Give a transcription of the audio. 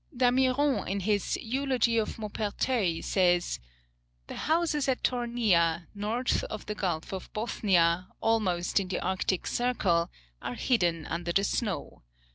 Damiron in his "Eulogy of Maupertuis," says, "The houses at Tornea, north of the Gulf of Bothnia, almost in the Arctic Circle, are hidden under the snow.